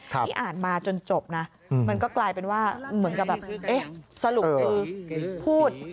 ที่อ่านมาจนจบนะมันก็กลายเป็นว่าเหมือนกับแบบเอ๊ะสรุปคือพูด